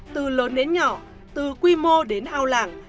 từ lớn đến nhỏ từ quy mô đến ao làng